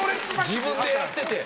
自分でやってて。